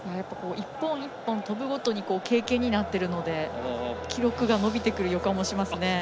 一本一本跳ぶごとに経験になってるので記録が伸びてくる予感がしますね。